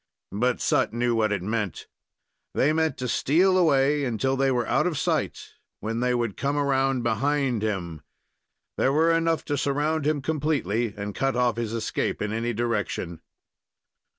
But Sut knew what it meant. They meant to steal away until they were out of sight, when they would come around behind him. There were enough to surround him completely and to cut off his escape in any direction.